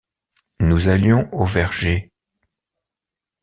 Nous allions au verger... »